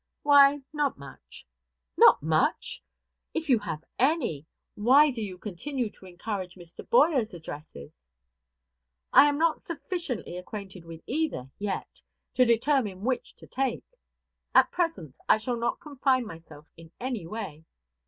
"Why, not much." "Not much! If you have any, why do you continue to encourage Mr. Boyer's addresses?" "I am not sufficiently acquainted with either, yet, to determine which to take. At present, I shall not confine myself in any way.